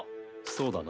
そうだな。